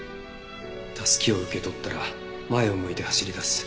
たすきを受け取ったら前を向いて走り出す。